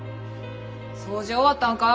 掃除終わったんか？